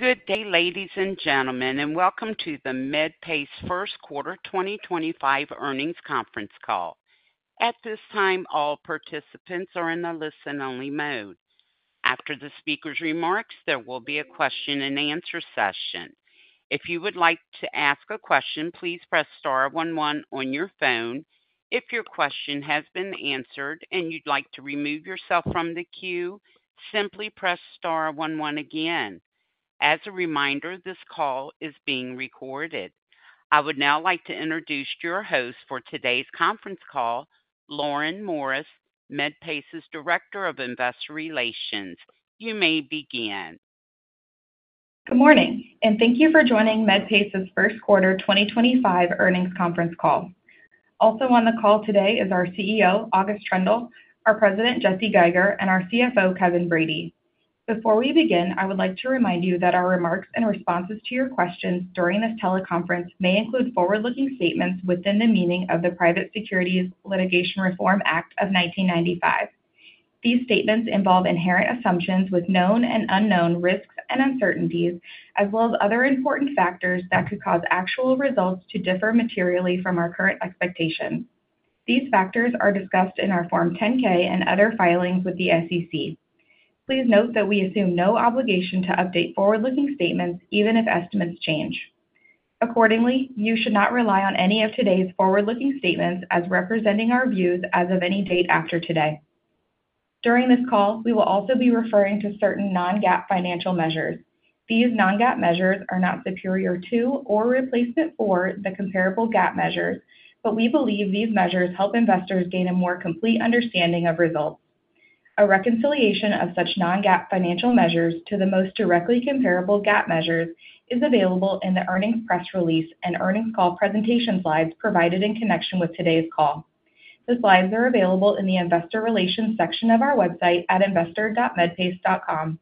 Good day, ladies and gentlemen, and welcome to the Medpace First Quarter 2025 earnings conference call. At this time, all participants are in the listen-only mode. After the speaker's remarks, there will be a question-and-answer session. If you would like to ask a question, please press star one one on your phone. If your question has been answered and you'd like to remove yourself from the queue, simply press star one one again. As a reminder, this call is being recorded. I would now like to introduce your host for today's conference call, Lauren Morris, Medpace's Director of Investor Relations. You may begin. Good morning, and thank you for joining Medpace's First Quarter 2025 earnings conference call. Also on the call today is our CEO, August Troendle, our President, Jesse Geiger, and our CFO, Kevin Brady. Before we begin, I would like to remind you that our remarks and responses to your questions during this teleconference may include forward-looking statements within the meaning of the Private Securities Litigation Reform Act of 1995. These statements involve inherent assumptions with known and unknown risks and uncertainties, as well as other important factors that could cause actual results to differ materially from our current expectations. These factors are discussed in our Form 10-K and other filings with the SEC. Please note that we assume no obligation to update forward-looking statements even if estimates change. Accordingly, you should not rely on any of today's forward-looking statements as representing our views as of any date after today. During this call, we will also be referring to certain non-GAAP financial measures. These non-GAAP measures are not superior to or replacement for the comparable GAAP measures, but we believe these measures help investors gain a more complete understanding of results. A reconciliation of such non-GAAP financial measures to the most directly comparable GAAP measures is available in the earnings press release and earnings call presentation slides provided in connection with today's call. The slides are available in the Investor Relations section of our website at investor.medpace.com.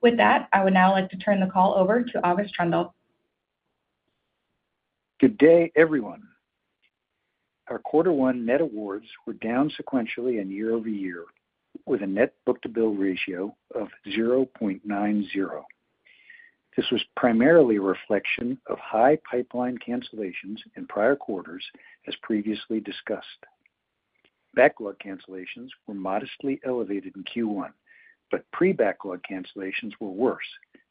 With that, I would now like to turn the call over to August Troendle. Good day, everyone. Our quarter one net awards were down sequentially year-over-year with a net book-to-bill ratio of 0.90. This was primarily a reflection of high pipeline cancellations in prior quarters, as previously discussed. Backlog cancellations were modestly elevated in Q1, but pre-backlog cancellations were worse,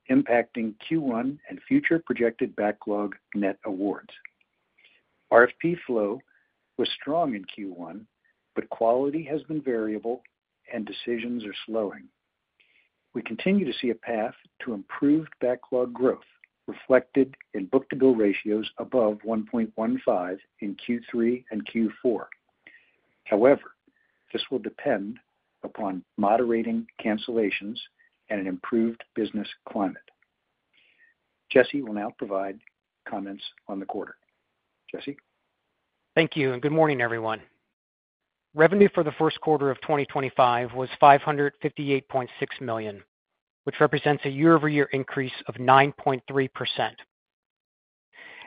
impacting Q1 and future projected backlog net awards. RFP flow was strong in Q1, but quality has been variable and decisions are slowing. We continue to see a path to improved backlog growth reflected in book-to-bill ratios above 1.15 in Q3 and Q4. However, this will depend upon moderating cancellations and an improved business climate. Jesse will now provide comments on the quarter. Jesse. Thank you, and good morning, everyone. Revenue for the first quarter of 2025 was $558.6 million, which represents a year-over-year increase of 9.3%.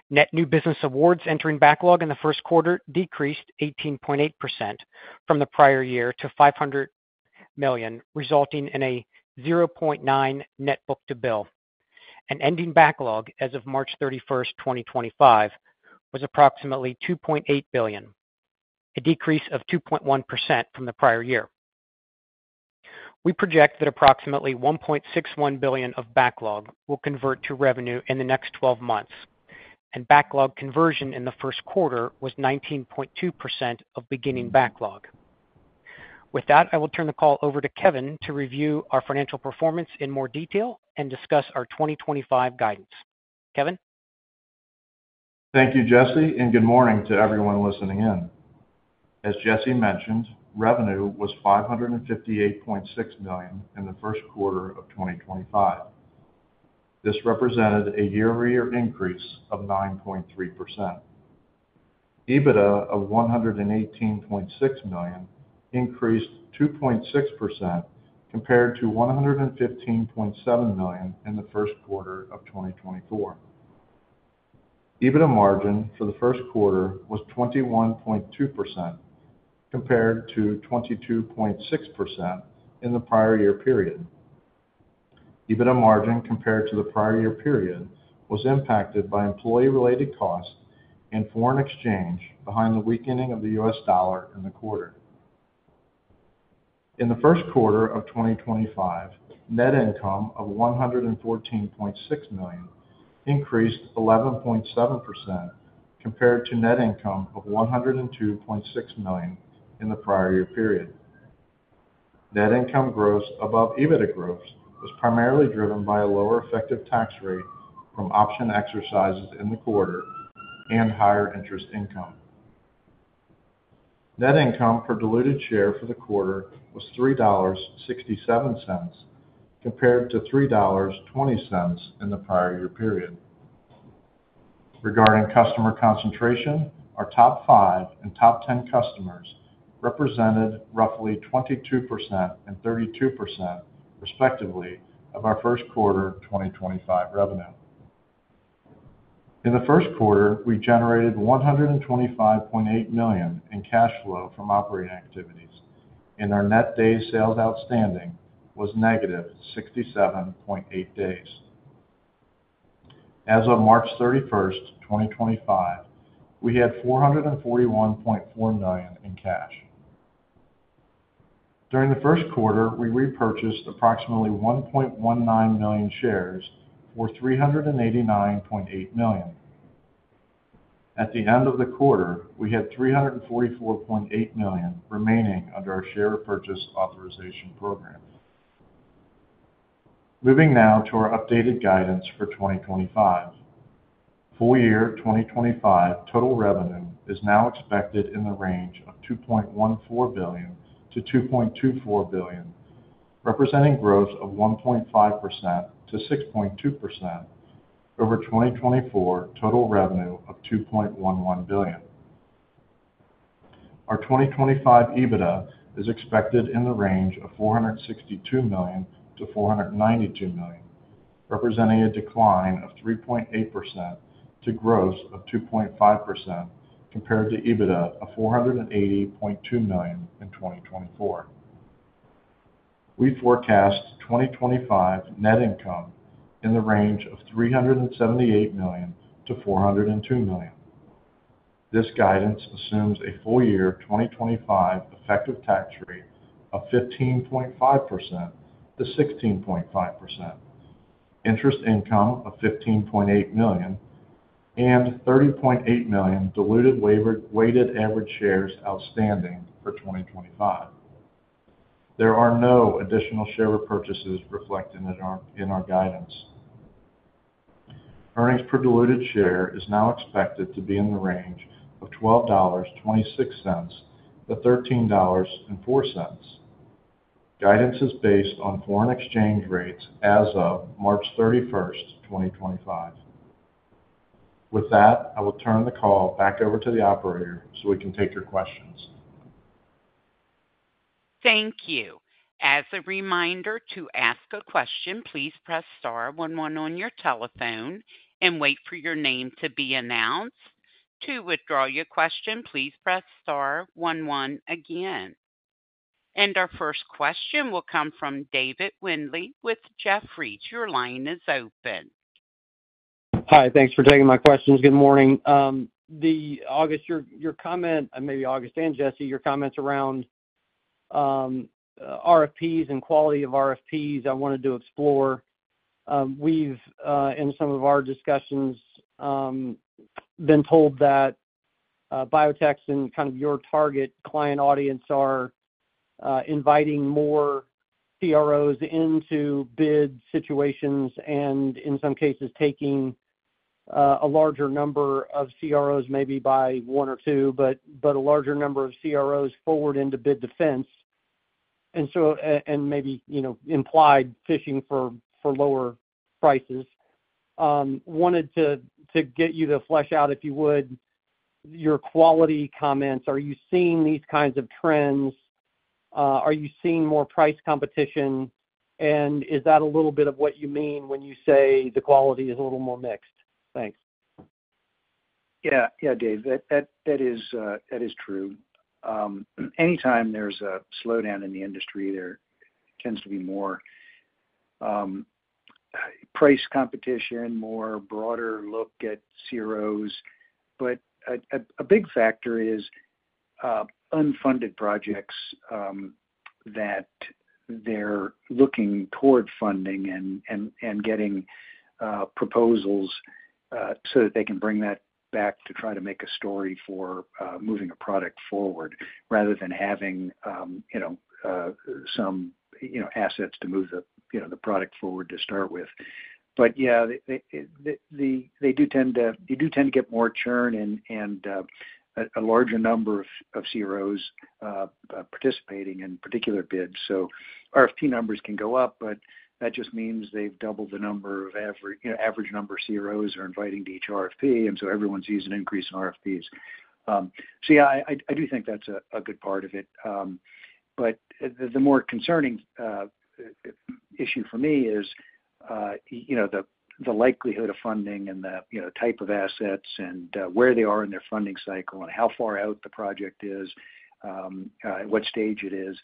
Net new business awards entering backlog in the first quarter decreased 18.8% from the prior year to $500 million, resulting in a 0.9 net book-to-bill. Ending backlog as of March 31st, 2025, was approximately $2.8 billion, a decrease of 2.1% from the prior year. We project that approximately $1.61 billion of backlog will convert to revenue in the next 12 months, and backlog conversion in the first quarter was 19.2% of beginning backlog. With that, I will turn the call over to Kevin to review our financial performance in more detail and discuss our 2025 guidance. Kevin. Thank you, Jesse, and good morning to everyone listening in. As Jesse mentioned, revenue was $558.6 million in the first quarter of 2025. This represented a year-over-year increase of 9.3%. EBITDA of $118.6 million increased 2.6% compared to $115.7 million in the first quarter of 2024. EBITDA margin for the first quarter was 21.2% compared to 22.6% in the prior year period. EBITDA margin compared to the prior year period was impacted by employee-related costs and foreign exchange behind the weakening of the U.S. dollar in the quarter. In the first quarter of 2025, net income of $114.6 million increased 11.7% compared to net income of $102.6 million in the prior year period. Net income growth above EBITDA growth was primarily driven by a lower effective tax rate from option exercises in the quarter and higher interest income. Net income per diluted share for the quarter was $3.67 compared to $3.20 in the prior year period. Regarding customer concentration, our top five and top ten customers represented roughly 22% and 32%, respectively, of our first quarter 2025 revenue. In the first quarter, we generated $125.8 million in cash flow from operating activities, and our net day sales outstanding was negative 67.8 days. As of March 31, 2025, we had $441.4 million in cash. During the first quarter, we repurchased approximately 1.19 million shares for $389.8 million. At the end of the quarter, we had $344.8 million remaining under our share purchase authorization program. Moving now to our updated guidance for 2025. Full year 2025 total revenue is now expected in the range of $2.14 billion-$2.24 billion, representing growth of 1.5%-6.2% over 2024 total revenue of $2.11 billion. Our 2025 EBITDA is expected in the range of $462 million-$492 million, representing a decline of 3.8% to growth of 2.5% compared to EBITDA of $480.2 million in 2024. We forecast 2025 net income in the range of $378 million-$402 million. This guidance assumes a full year 2025 effective tax rate of 15.5%-16.5%, interest income of $15.8 million, and $30.8 million diluted weighted average shares outstanding for 2025. There are no additional share repurchases reflected in our guidance. Earnings per diluted share is now expected to be in the range of $12.26-$13.04. Guidance is based on foreign exchange rates as of March 31, 2025. With that, I will turn the call back over to the operator so we can take your questions. Thank you. As a reminder to ask a question, please press star one one on your telephone and wait for your name to be announced. To withdraw your question, please press star one one again. Our first question will come from David Windley with Jefferies. Your line is open. Hi, thanks for taking my questions. Good morning. August, your comment, and maybe August and Jesse, your comments around RFPs and quality of RFPs I wanted to explore. We've, in some of our discussions, been told that biotechs and kind of your target client audience are inviting more CROs into bid situations and, in some cases, taking a larger number of CROs, maybe by one or two, but a larger number of CROs forward into bid defense, and maybe implied fishing for lower prices. Wanted to get you to flesh out, if you would, your quality comments. Are you seeing these kinds of trends? Are you seeing more price competition? Is that a little bit of what you mean when you say the quality is a little more mixed? Thanks. Yeah, yeah, David, that is true. Anytime there's a slowdown in the industry, there tends to be more price competition, more broader look at CROs. A big factor is unfunded projects that they're looking toward funding and getting proposals so that they can bring that back to try to make a story for moving a product forward, rather than having some assets to move the product forward to start with. Yeah, they do tend to get more churn and a larger number of CROs participating in particular bids. RFP numbers can go up, but that just means they've doubled the average number of CROs they're inviting to each RFP, and everyone sees an increase in RFPs. Yeah, I do think that's a good part of it. The more concerning issue for me is the likelihood of funding and the type of assets and where they are in their funding cycle and how far out the project is, at what stage it is,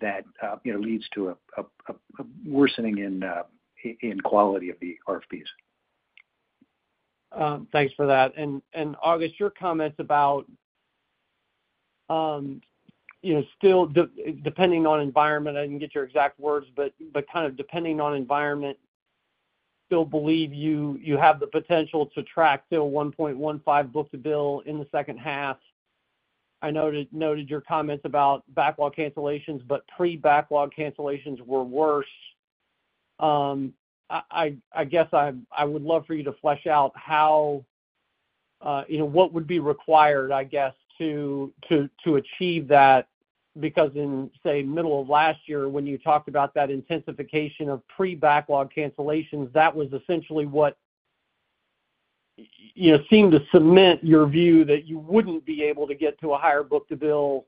that leads to a worsening in quality of the RFPs. Thanks for that. August, your comments about still depending on environment, I didn't get your exact words, but kind of depending on environment, still believe you have the potential to track still 1.15 book-to-bill in the second half. I noted your comments about backlog cancellations, but pre-backlog cancellations were worse. I guess I would love for you to flesh out what would be required, I guess, to achieve that, because in, say, middle of last year, when you talked about that intensification of pre-backlog cancellations, that was essentially what seemed to cement your view that you wouldn't be able to get to a higher book-to-bill,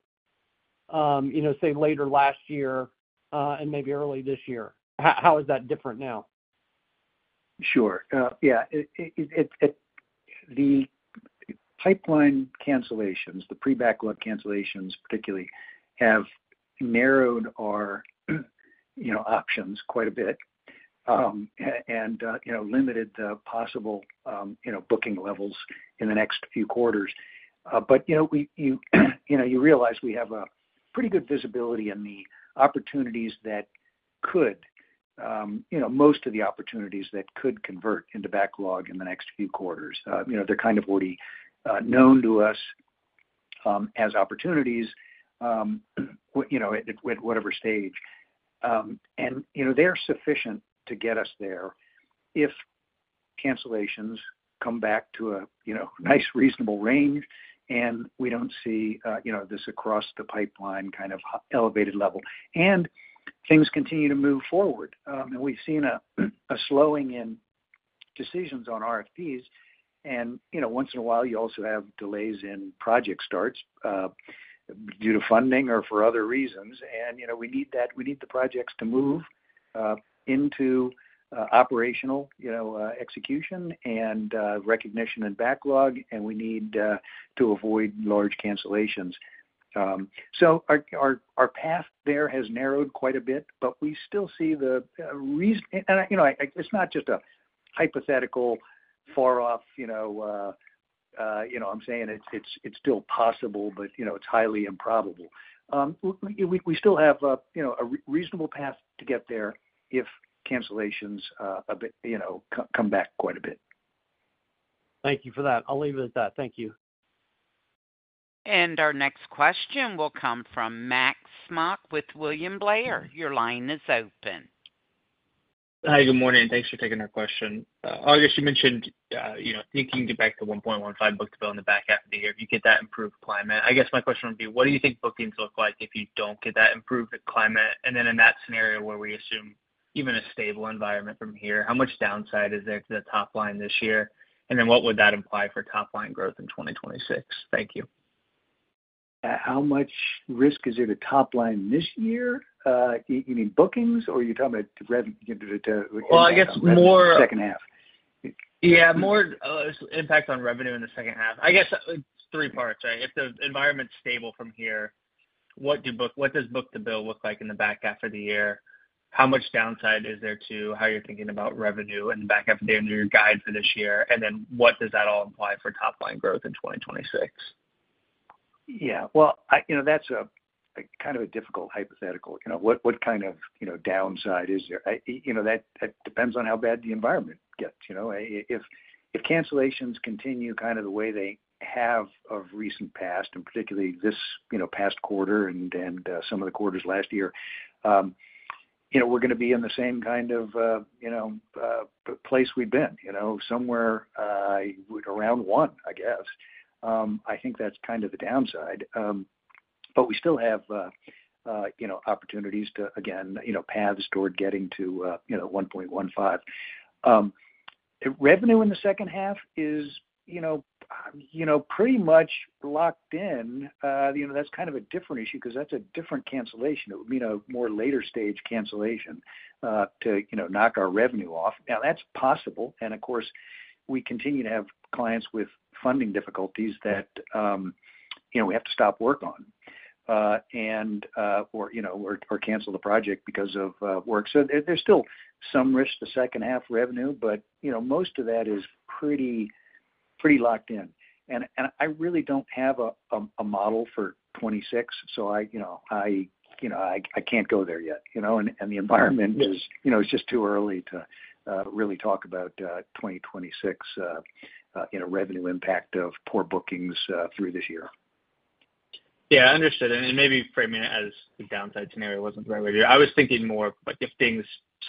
say, later last year and maybe early this year. How is that different now? Sure. Yeah. The pipeline cancellations, the pre-backlog cancellations, particularly, have narrowed our options quite a bit and limited the possible booking levels in the next few quarters. You realize we have pretty good visibility in the opportunities that could, most of the opportunities that could convert into backlog in the next few quarters. They're kind of already known to us as opportunities at whatever stage. They're sufficient to get us there if cancellations come back to a nice reasonable range and we do not see this across the pipeline kind of elevated level. Things continue to move forward. We've seen a slowing in decisions on RFPs. Once in a while, you also have delays in project starts due to funding or for other reasons. We need the projects to move into operational execution and recognition and backlog, and we need to avoid large cancellations. Our path there has narrowed quite a bit, but we still see the reason and it's not just a hypothetical far-off, you know what I'm saying? It's still possible, but it's highly improbable. We still have a reasonable path to get there if cancellations come back quite a bit. Thank you for that. I'll leave it at that. Thank you. Our next question will come from Max Smock with William Blair. Your line is open. Hi, good morning. Thanks for taking our question. August, you mentioned thinking to back to 1.15 book-to-bill in the back half of the year, if you get that improved climate. I guess my question would be, what do you think bookings look like if you don't get that improved climate? In that scenario where we assume even a stable environment from here, how much downside is there to the top line this year? What would that imply for top line growth in 2026? Thank you. How much risk is there to top line this year? You mean bookings, or are you talking about revenue? I guess more. In the second half. Yeah, more impact on revenue in the second half. I guess it's three parts, right? If the environment's stable from here, what does book-to-bill look like in the back half of the year? How much downside is there to how you're thinking about revenue in the back half of the year in your guide for this year? What does that all imply for top line growth in 2026? Yeah. That's kind of a difficult hypothetical. What kind of downside is there? That depends on how bad the environment gets. If cancellations continue kind of the way they have of recent past, and particularly this past quarter and some of the quarters last year, we're going to be in the same kind of place we've been, somewhere around one, I guess. I think that's kind of the downside. We still have opportunities to, again, paths toward getting to 1.15. Revenue in the second half is pretty much locked in. That's kind of a different issue because that's a different cancellation. It would mean a more later stage cancellation to knock our revenue off. Now, that's possible. Of course, we continue to have clients with funding difficulties that we have to stop work on or cancel the project because of work. There is still some risk to second half revenue, but most of that is pretty locked in. I really do not have a model for 2026, so I cannot go there yet. The environment is just too early to really talk about 2026 revenue impact of poor bookings through this year. Yeah, I understood. Maybe framing it as the downside scenario was not the right way to do it. I was thinking more if things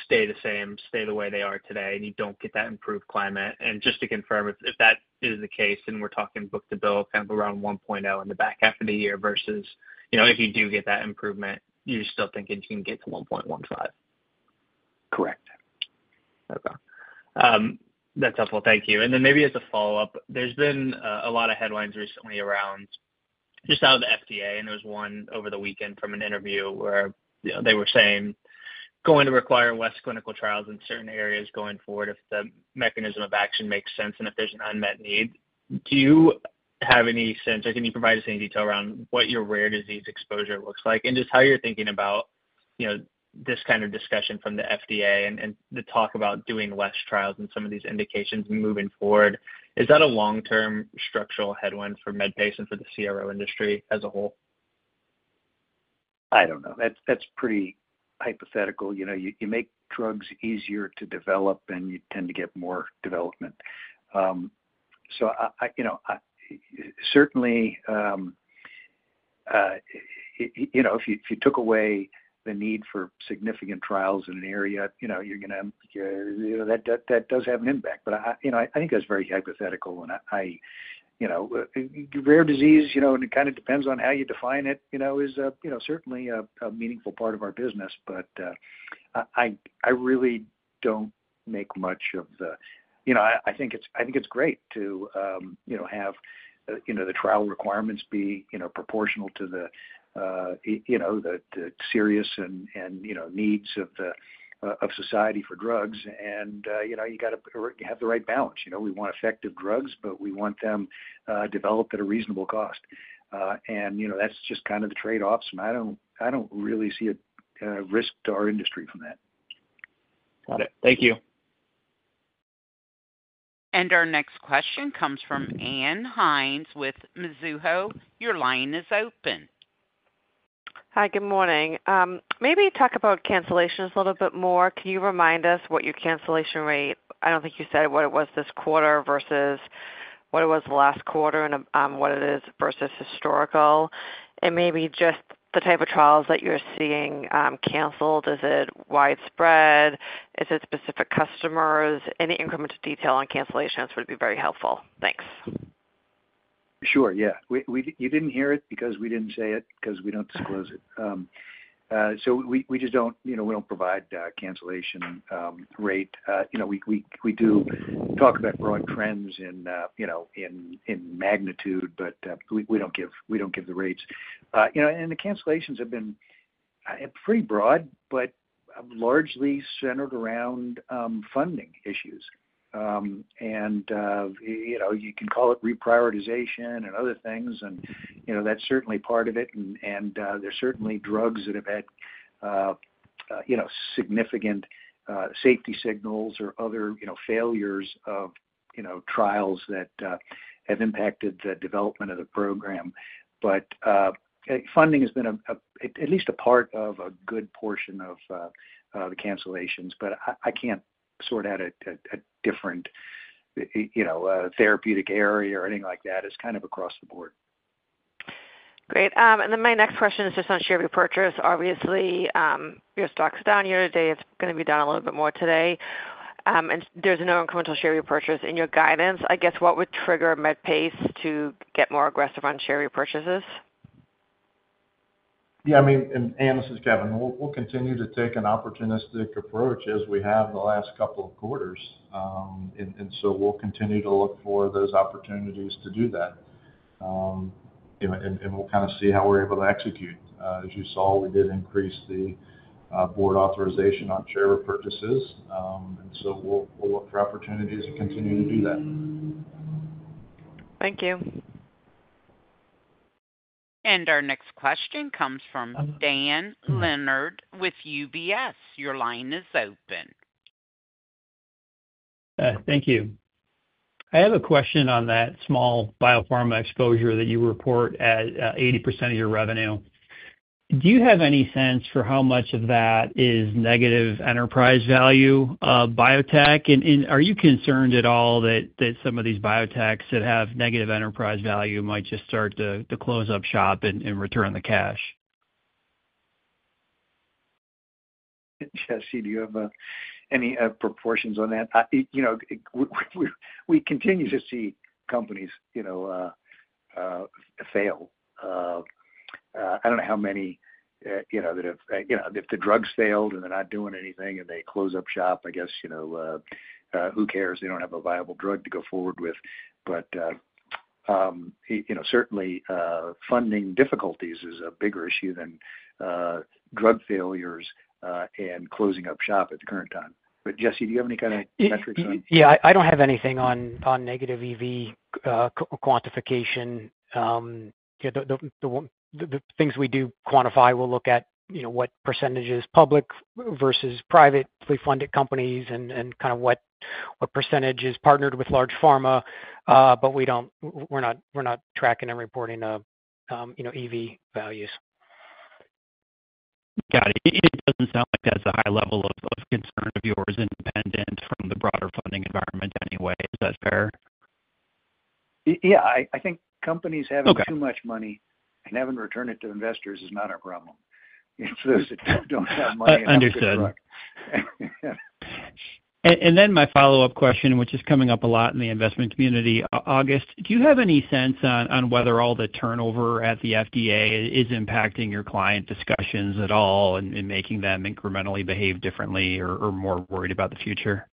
stay the same, stay the way they are today, and you do not get that improved climate. Just to confirm, if that is the case, then we are talking book-to-bill kind of around 1.0 in the back half of the year versus if you do get that improvement, you are still thinking you can get to 1.15. Correct. Okay. That's helpful. Thank you. Maybe as a follow-up, there's been a lot of headlines recently around just out of the FDA, and there was one over the weekend from an interview where they were saying going to require less clinical trials in certain areas going forward if the mechanism of action makes sense and if there's an unmet need. Do you have any sense or can you provide us any detail around what your rare disease exposure looks like? Just how you're thinking about this kind of discussion from the FDA and the talk about doing less trials in some of these indications moving forward, is that a long-term structural headwind for Medpace and for the CRO industry as a whole? I don't know. That's pretty hypothetical. You make drugs easier to develop, and you tend to get more development. Certainly, if you took away the need for significant trials in an area, that does have an impact. I think that's very hypothetical. Rare disease, it kind of depends on how you define it, is certainly a meaningful part of our business. I really don't make much of the—I think it's great to have the trial requirements be proportional to the serious and needs of society for drugs. You have the right balance. We want effective drugs, but we want them developed at a reasonable cost. That's just kind of the trade-offs. I don't really see a risk to our industry from that. Got it. Thank you. Our next question comes from Ann Hynes with Mizuho. Your line is open. Hi, good morning. Maybe talk about cancellations a little bit more. Can you remind us what your cancellation rate is? I don't think you said what it was this quarter versus what it was last quarter and what it is versus historical. Maybe just the type of trials that you're seeing canceled. Is it widespread? Is it specific customers? Any incremental detail on cancellations would be very helpful. Thanks. Sure. Yeah. You did not hear it because we did not say it because we do not disclose it. We just do not provide cancellation rate. We do talk about broad trends in magnitude, but we do not give the rates. The cancellations have been pretty broad, but largely centered around funding issues. You can call it reprioritization and other things, and that is certainly part of it. There are certainly drugs that have had significant safety signals or other failures of trials that have impacted the development of the program. Funding has been at least a part of a good portion of the cancellations. I cannot sort out a different therapeutic area or anything like that. It is kind of across the board. Great. My next question is just on share repurchase. Obviously, your stock's down year to date. It's going to be down a little bit more today. There's no incremental share repurchase in your guidance. I guess what would trigger Medpace to get more aggressive on share repurchases? Yeah. I mean, and this is Kevin. We'll continue to take an opportunistic approach as we have the last couple of quarters. We'll continue to look for those opportunities to do that. We'll kind of see how we're able to execute. As you saw, we did increase the board authorization on share repurchases. We'll look for opportunities and continue to do that. Thank you. Our next question comes from Dan Leonard with UBS. Your line is open. Thank you. I have a question on that small biopharma exposure that you report at 80% of your revenue. Do you have any sense for how much of that is negative enterprise value of biotech? And are you concerned at all that some of these biotechs that have negative enterprise value might just start to close up shop and return the cash? Jesse, do you have any proportions on that? We continue to see companies fail. I don't know how many that have if the drugs failed and they're not doing anything and they close up shop, I guess who cares? They don't have a viable drug to go forward with. Certainly, funding difficulties is a bigger issue than drug failures and closing up shop at the current time. Jesse, do you have any kind of metrics on? Yeah. I don't have anything on negative EV quantification. The things we do quantify, we'll look at what percentage is public versus privately funded companies and kind of what percentage is partnered with large pharma. But we're not tracking and reporting EV values. Got it. It doesn't sound like that's a high level of concern of yours, independent from the broader funding environment anyway. Is that fair? Yeah. I think companies having too much money and having to return it to investors is not our problem. It's those that don't have money and have too much money. Understood. My follow-up question, which is coming up a lot in the investment community, August, do you have any sense on whether all the turnover at the FDA is impacting your client discussions at all and making them incrementally behave differently or more worried about the future?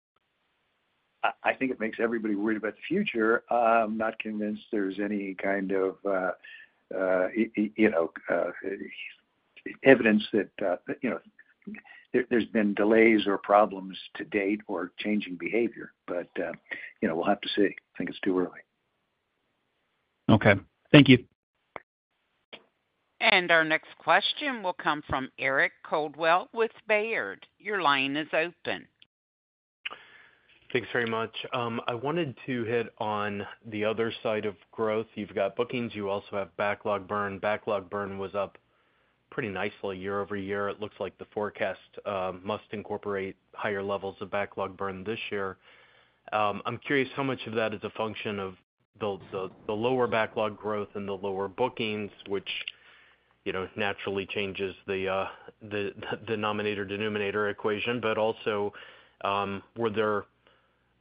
I think it makes everybody worried about the future. I'm not convinced there's any kind of evidence that there's been delays or problems to date or changing behavior. We'll have to see. I think it's too early. Okay. Thank you. Our next question will come from Eric Coldwell with Baird. Your line is open. Thanks very much. I wanted to hit on the other side of growth. You've got bookings. You also have backlog burn. Backlog burn was up pretty nicely year-over-year. It looks like the forecast must incorporate higher levels of backlog burn this year. I'm curious how much of that is a function of the lower backlog growth and the lower bookings, which naturally changes the denominator-denominator equation. Also, were there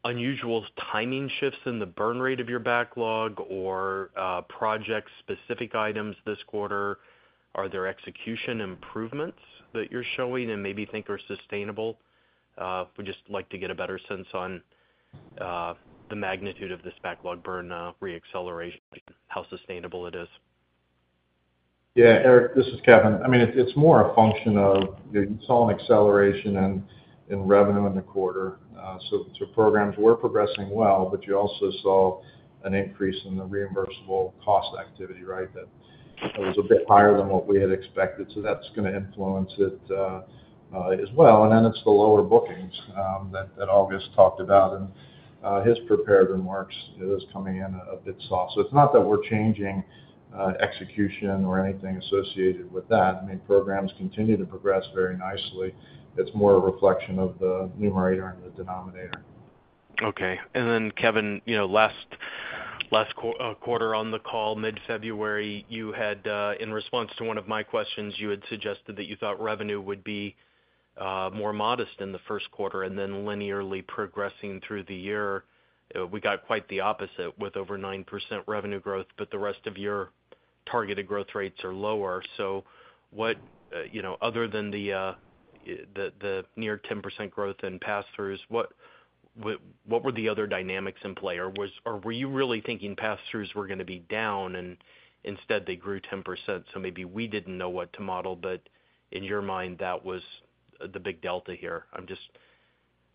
unusual timing shifts in the burn rate of your backlog or project-specific items this quarter? Are there execution improvements that you're showing and maybe think are sustainable? We'd just like to get a better sense on the magnitude of this backlog burn re-acceleration, how sustainable it is. Yeah. Eric, this is Kevin. I mean, it's more a function of you saw an acceleration in revenue in the quarter. For programs, we're progressing well, but you also saw an increase in the reimbursable cost activity, right? That was a bit higher than what we had expected. That's going to influence it as well. It's the lower bookings that August talked about. His prepared remarks is coming in a bit soft. It's not that we're changing execution or anything associated with that. I mean, programs continue to progress very nicely. It's more a reflection of the numerator and the denominator. Okay. Kevin, last quarter on the call, mid-February, you had, in response to one of my questions, you had suggested that you thought revenue would be more modest in the first quarter and then linearly progressing through the year. We got quite the opposite with over 9% revenue growth, but the rest of your targeted growth rates are lower. Other than the near 10% growth in pass-throughs, what were the other dynamics in play? Were you really thinking pass-throughs were going to be down and instead they grew 10%? Maybe we did not know what to model, but in your mind, that was the big delta here. I am just.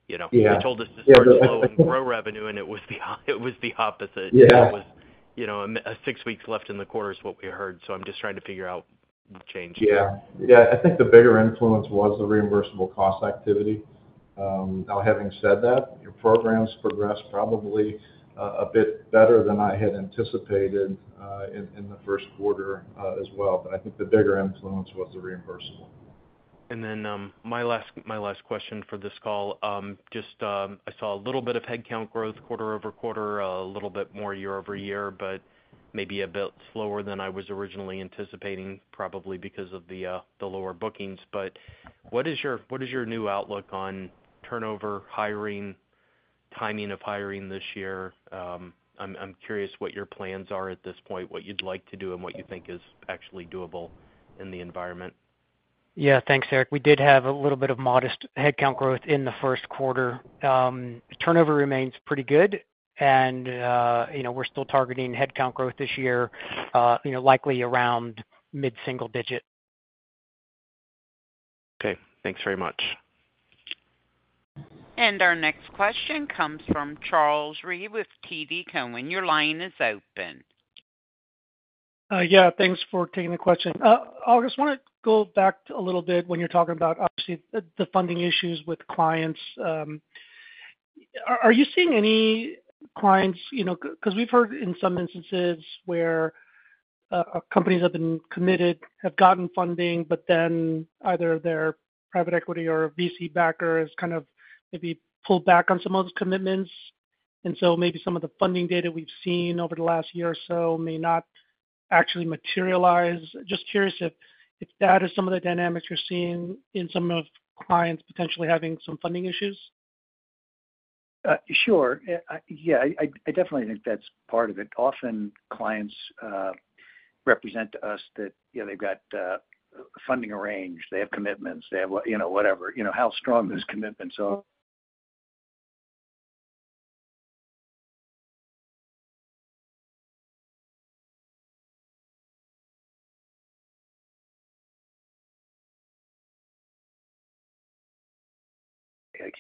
Yeah. You told us to start low and grow revenue, and it was the opposite. Yeah. That was six weeks left in the quarter is what we heard. I am just trying to figure out what changed. Yeah. Yeah. I think the bigger influence was the reimbursable cost activity. Now, having said that, your programs progressed probably a bit better than I had anticipated in the first quarter as well. I think the bigger influence was the reimbursable. My last question for this call, just I saw a little bit of headcount growth quarter-over-quarter, a little bit more year-over-year, but maybe a bit slower than I was originally anticipating probably because of the lower bookings. What is your new outlook on turnover, hiring, timing of hiring this year? I'm curious what your plans are at this point, what you'd like to do, and what you think is actually doable in the environment. Yeah. Thanks, Eric. We did have a little bit of modest headcount growth in the first quarter. Turnover remains pretty good, and we're still targeting headcount growth this year, likely around mid-single digit. Okay. Thanks very much. Our next question comes from Charles Rhyee with TD Cowen. Your line is open. Yeah. Thanks for taking the question. August, I want to go back a little bit when you're talking about, obviously, the funding issues with clients. Are you seeing any clients? Because we've heard in some instances where companies have been committed, have gotten funding, but then either their private equity or VC backers kind of maybe pulled back on some of those commitments. Maybe some of the funding data we've seen over the last year or so may not actually materialize. Just curious if that is some of the dynamics you're seeing in some of clients potentially having some funding issues. Sure. Yeah. I definitely think that's part of it. Often clients represent to us that they've got funding arranged. They have commitments. They have whatever, how strong those commitments are.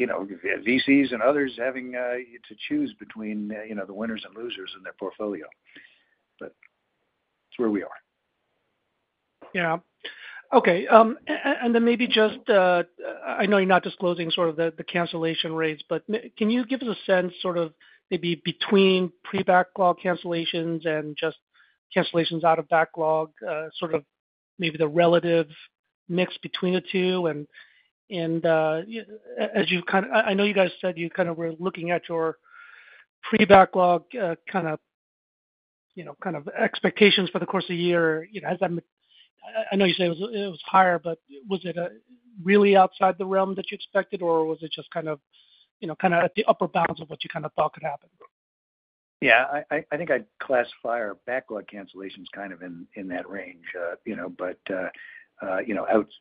VCs and others having to choose between the winners and losers in their portfolio. But it's where we are. Yeah. Okay. I know you're not disclosing sort of the cancellation rates, but can you give us a sense sort of maybe between pre-backlog cancellations and just cancellations out of backlog, sort of maybe the relative mix between the two? As you kind of I know you guys said you kind of were looking at your pre-backlog kind of expectations for the course of the year. I know you said it was higher, but was it really outside the realm that you expected, or was it just kind of at the upper bounds of what you kind of thought could happen? Yeah. I think I'd classify our backlog cancellations kind of in that range,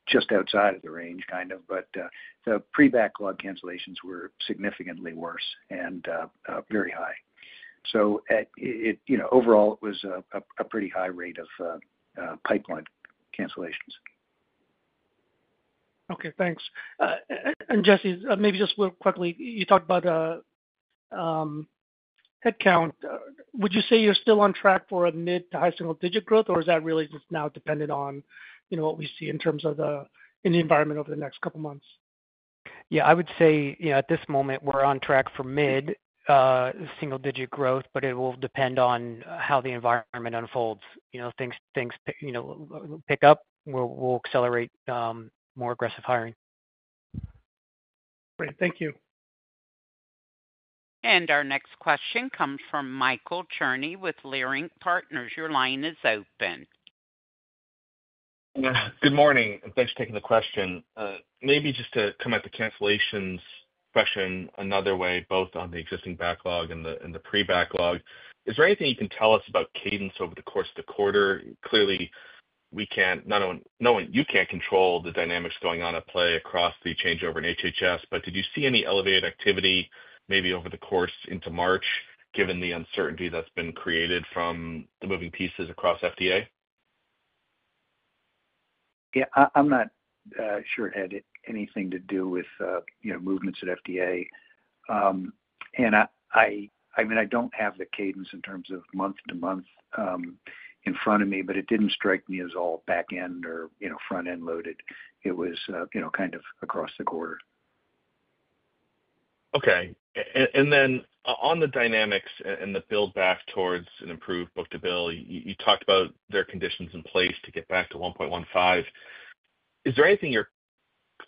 just outside of the range kind of. The pre-backlog cancellations were significantly worse and very high. Overall, it was a pretty high rate of pipeline cancellations. Okay. Thanks. Jesse, maybe just real quickly, you talked about headcount. Would you say you're still on track for a mid to high single-digit growth, or is that really just now dependent on what we see in terms of the environment over the next couple of months? Yeah. I would say at this moment, we're on track for mid-single-digit growth, but it will depend on how the environment unfolds. If things pick up, we'll accelerate more aggressive hiring. Great. Thank you. Our next question comes from Michael Cherny with Leerink Partners. Your line is open. Good morning. Thanks for taking the question. Maybe just to come at the cancellations question another way, both on the existing backlog and the pre-backlog, is there anything you can tell us about cadence over the course of the quarter? Clearly, we can't, knowing you can't control the dynamics going on at play across the changeover in HHS, but did you see any elevated activity maybe over the course into March, given the uncertainty that's been created from the moving pieces across FDA? Yeah. I'm not sure it had anything to do with movements at FDA. I mean, I don't have the cadence in terms of month-to-month in front of me, but it didn't strike me as all back-end or front-end loaded. It was kind of across the quarter. Okay. On the dynamics and the build-back towards an improved book-to-bill, you talked about there are conditions in place to get back to 1.15. Is there anything your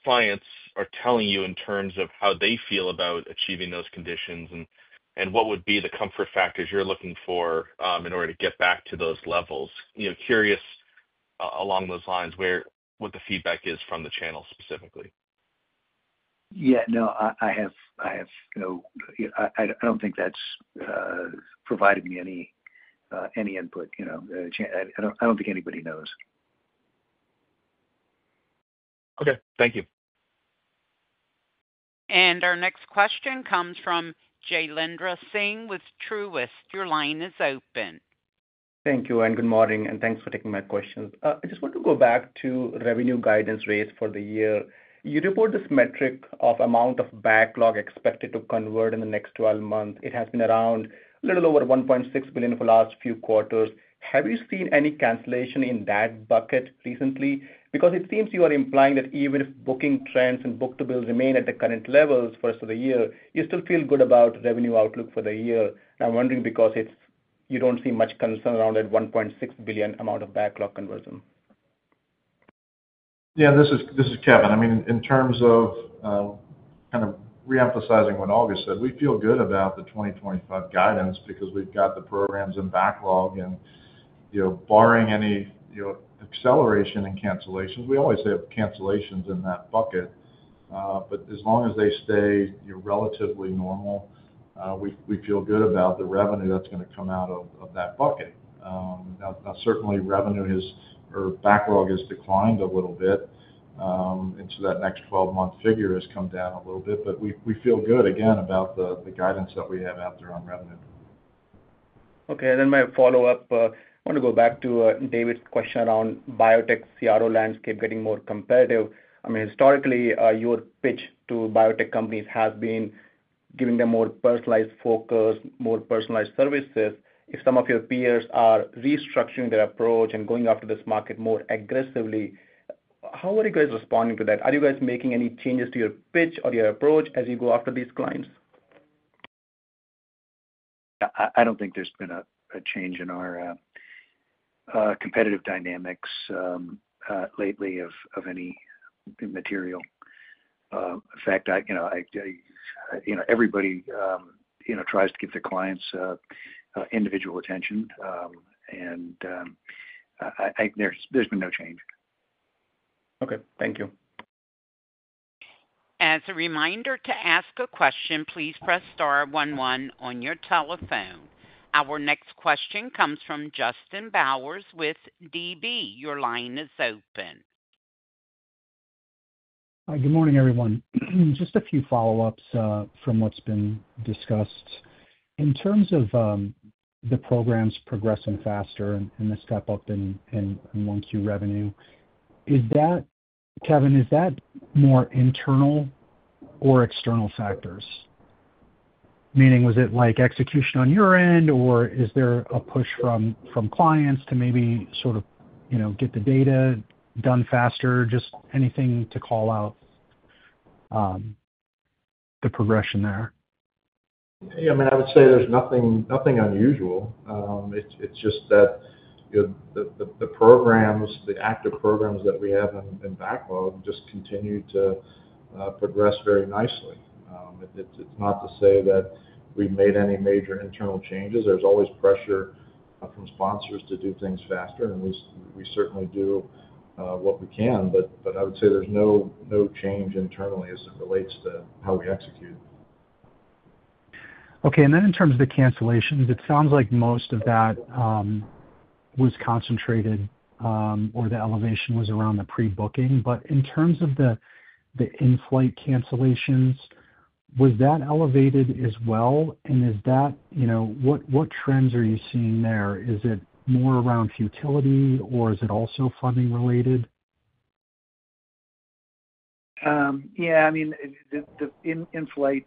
clients are telling you in terms of how they feel about achieving those conditions and what would be the comfort factors you're looking for in order to get back to those levels? Curious along those lines what the feedback is from the channel specifically. Yeah. No, I have no, I don't think that's provided me any input. I don't think anybody knows. Okay. Thank you. Our next question comes from Jailendra Singh with Truist. Your line is open. Thank you. Good morning. Thanks for taking my question. I just want to go back to revenue guidance rates for the year. You report this metric of amount of backlog expected to convert in the next 12 months. It has been around a little over $1.6 billion for the last few quarters. Have you seen any cancellation in that bucket recently? It seems you are implying that even if booking trends and book-to-bill remain at the current levels for the rest of the year, you still feel good about revenue outlook for the year. I'm wondering because you don't see much concern around that $1.6 billion amount of backlog conversion. Yeah. This is Kevin. I mean, in terms of kind of reemphasizing what August said, we feel good about the 2025 guidance because we've got the programs in backlog. And barring any acceleration in cancellations, we always have cancellations in that bucket. As long as they stay relatively normal, we feel good about the revenue that's going to come out of that bucket. Now, certainly, revenue or backlog has declined a little bit, and so that next 12-month figure has come down a little bit. We feel good, again, about the guidance that we have out there on revenue. Okay. My follow-up, I want to go back to David's question around biotech CRO landscape getting more competitive. I mean, historically, your pitch to biotech companies has been giving them more personalized focus, more personalized services. If some of your peers are restructuring their approach and going after this market more aggressively, how are you guys responding to that? Are you guys making any changes to your pitch or your approach as you go after these clients? I don't think there's been a change in our competitive dynamics lately of any material. In fact, everybody tries to give their clients individual attention, and there's been no change. Okay. Thank you. As a reminder to ask a question, please press star one one on your telephone. Our next question comes from Justin Bowers with DB. Your line is open. Hi. Good morning, everyone. Just a few follow-ups from what's been discussed. In terms of the programs progressing faster and this got booked in 1Q revenue, Kevin, is that more internal or external factors? Meaning, was it execution on your end, or is there a push from clients to maybe sort of get the data done faster? Just anything to call out the progression there? Yeah. I mean, I would say there's nothing unusual. It's just that the programs, the active programs that we have in backlog, just continue to progress very nicely. It's not to say that we've made any major internal changes. There's always pressure from sponsors to do things faster, and we certainly do what we can. I would say there's no change internally as it relates to how we execute. Okay. In terms of the cancellations, it sounds like most of that was concentrated or the elevation was around the pre-booking. In terms of the in-flight cancellations, was that elevated as well? What trends are you seeing there? Is it more around futility, or is it also funding-related? Yeah. I mean, the in-flight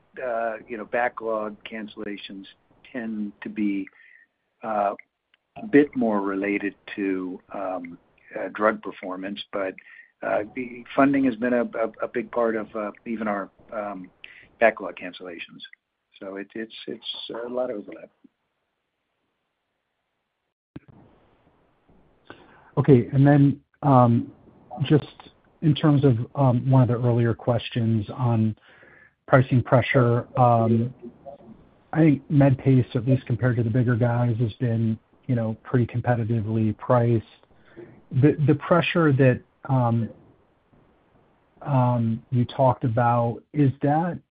backlog cancellations tend to be a bit more related to drug performance, but funding has been a big part of even our backlog cancellations. So it's a lot of overlap. Okay. Just in terms of one of the earlier questions on pricing pressure, I think Medpace, at least compared to the bigger guys, has been pretty competitively priced. The pressure that you talked about,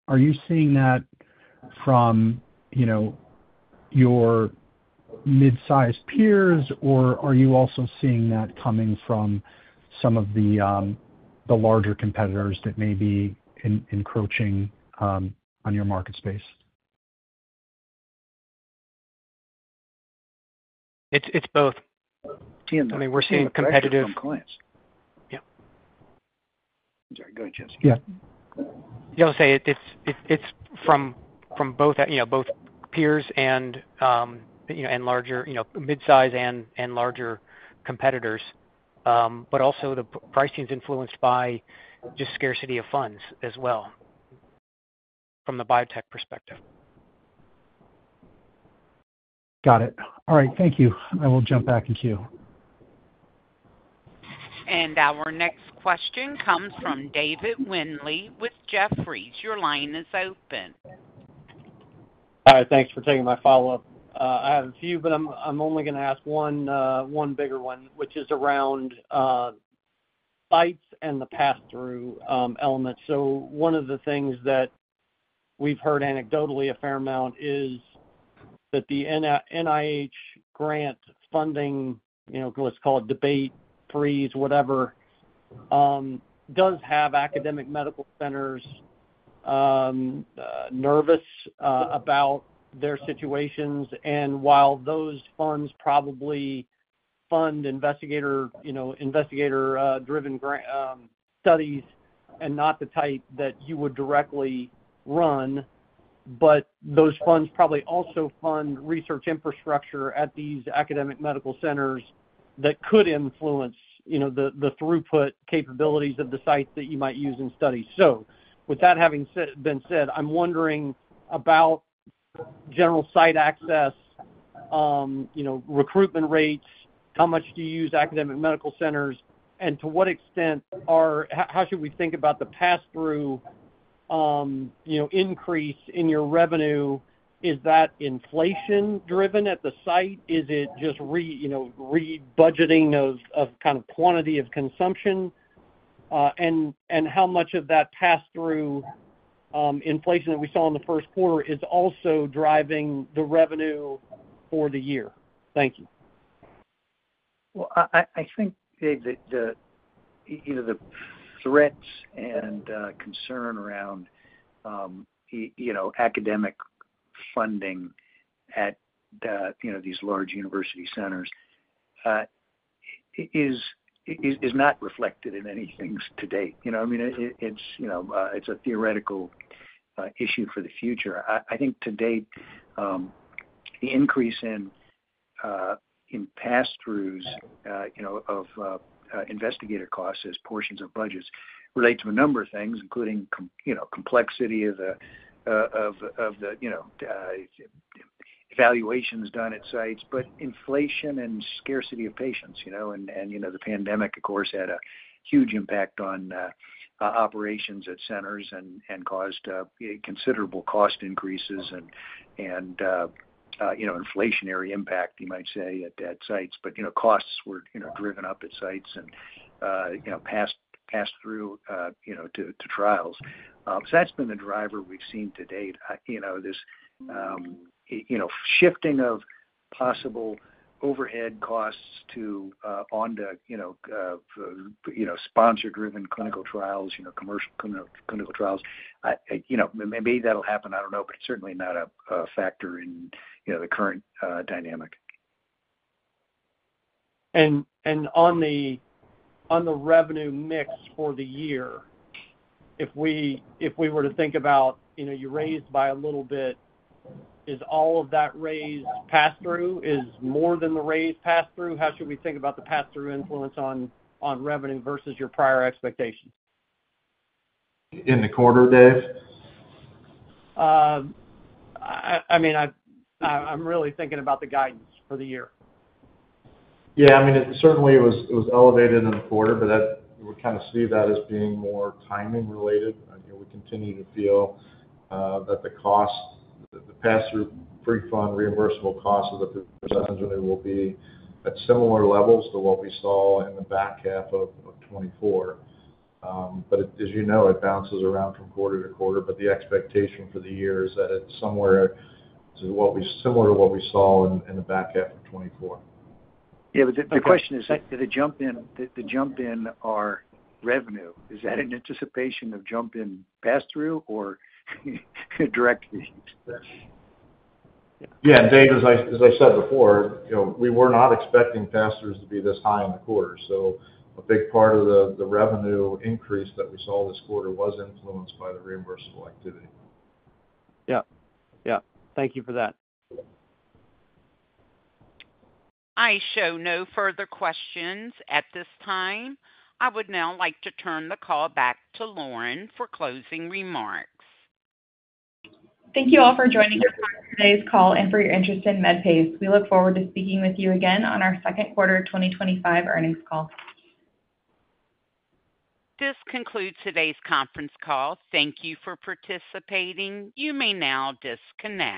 are you seeing that from your mid-sized peers, or are you also seeing that coming from some of the larger competitors that may be encroaching on your market space? It's both. I mean, we're seeing competitive. I think it's from clients. Yeah. I'm sorry. Go ahead, Jesse. Yeah. I was going to say it's from both peers and larger mid-size and larger competitors, but also the pricing is influenced by just scarcity of funds as well from the biotech perspective. Got it. All right. Thank you. I will jump back into queue. Our next question comes from David Windley with Jefferies. Your line is open. Hi. Thanks for taking my follow-up. I have a few, but I'm only going to ask one bigger one, which is around sites and the pass-through elements. One of the things that we've heard anecdotally a fair amount is that the NIH grant funding, what's called debate, freeze, whatever, does have academic medical centers nervous about their situations. While those funds probably fund investigator-driven studies and not the type that you would directly run, those funds probably also fund research infrastructure at these academic medical centers that could influence the throughput capabilities of the sites that you might use in studies. With that having been said, I'm wondering about general site access, recruitment rates, how much do you use academic medical centers, and to what extent how should we think about the pass-through increase in your revenue? Is that inflation-driven at the site? Is it just re-budgeting of kind of quantity of consumption? And how much of that pass-through inflation that we saw in the first quarter is also driving the revenue for the year? Thank you. I think either the threats and concern around academic funding at these large university centers is not reflected in anything to date. I mean, it's a theoretical issue for the future. I think to date, the increase in pass-throughs of investigator costs as portions of budgets relates to a number of things, including complexity of the evaluations done at sites, inflation and scarcity of patients. The pandemic, of course, had a huge impact on operations at centers and caused considerable cost increases and inflationary impact, you might say, at sites. Costs were driven up at sites and passed through to trials. That's been the driver we've seen to date, this shifting of possible overhead costs onto sponsor-driven clinical trials, commercial clinical trials. Maybe that'll happen. I don't know, but it's certainly not a factor in the current dynamic. On the revenue mix for the year, if we were to think about you raised by a little bit, is all of that raised pass-through? Is more than the raised pass-through? How should we think about the pass-through influence on revenue versus your prior expectations? In the quarter, Dave? I mean, I'm really thinking about the guidance for the year. Yeah. I mean, certainly, it was elevated in the quarter, but we kind of see that as being more timing-related. We continue to feel that the cost, the pass-through pre-fund reimbursable costs as a percentage will be at similar levels to what we saw in the back half of 2024. As you know, it bounces around from quarter to quarter, but the expectation for the year is that it is somewhere similar to what we saw in the back half of 2024. Yeah. The question is, the jump in our revenue, is that an anticipation of jump in pass-through or direct fees? Yeah. Dave, as I said before, we were not expecting pass-throughs to be this high in the quarter. A big part of the revenue increase that we saw this quarter was influenced by the reimbursable activity. Yeah. Yeah. Thank you for that. I show no further questions at this time. I would now like to turn the call back to Lauren for closing remarks. Thank you all for joining us on today's call and for your interest in Medpace. We look forward to speaking with you again on our second quarter 2025 earnings call. This concludes today's conference call. Thank you for participating. You may now disconnect.